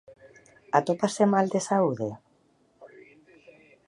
¿Atópase mal de saúde?